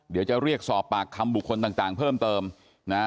เดี๋ยวจะเรียกสอบปากคำบุคคลต่างเพิ่มเติมนะ